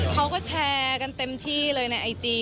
เขาก็แชร์กันเต็มที่เลยในไอจี